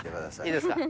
いいですか？